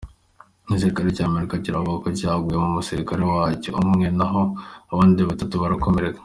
Igisirikare cya Amerika kiravuga ko cyaguyemo umusirikare wacyo umwe naho abandi batatu barakomereka.